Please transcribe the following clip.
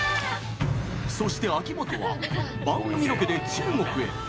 そして秋元は番組ロケで中国へ。